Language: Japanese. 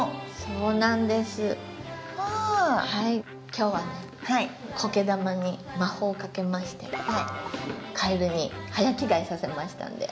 今日はねコケ玉に魔法をかけましてかえるに早着替えさせましたんで。